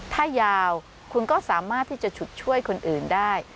ถ้ายาวคุณก็สามารถที่จะฉุดช่วยคนอื่นได้